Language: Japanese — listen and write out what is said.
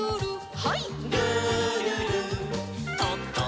はい。